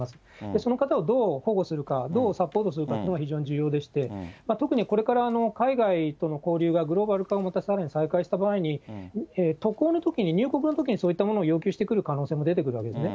その方をどう保護するか、どうサポートするかというのが非常に重要でして、特にこれから海外との交流がグローバル化をさらに再開した場合に、渡航のときに、入国のときにそういったものを要求してくる可能性も出てくるわけですね。